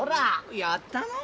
やったのう。